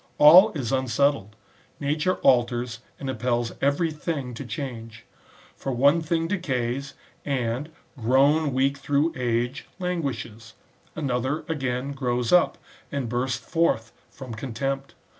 All is unsettled ; nature alters and impels every thing to change. For one thing decays, and, grown weak through age, languishes ; another, again, grows up, and bursts forth from contempt.